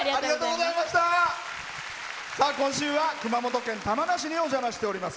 今週は熊本県玉名市にお邪魔しております。